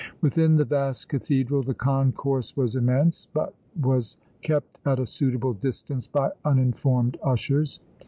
Within the vast cathedral the concourse was immense, but was kept at a suitable distance by uniformed ushers.